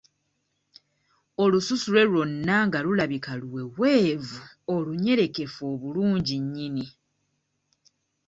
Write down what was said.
Olususu lwe lwonna nga lulabika luweweevu olunyerekefu obulungi nnyini.